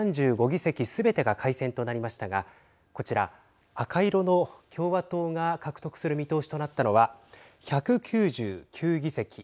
４３５議席すべてが改選となりましたがこちら、赤色の共和党が獲得する見通しとなったのは１９９議席。